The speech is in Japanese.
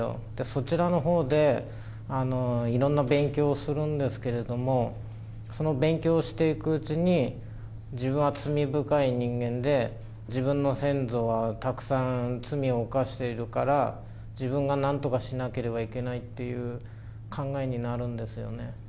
そちらのほうでいろんな勉強をするんですけれども、その勉強をしていくうちに、自分は罪深い人間で、自分の先祖はたくさん罪を犯しているから、自分がなんとかしなければいけないっていう考えになるんですよね。